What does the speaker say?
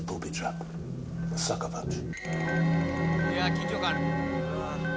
緊張感ある。